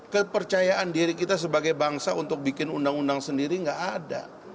kepercayaan diri kita sebagai bangsa untuk bikin undang undang sendiri nggak ada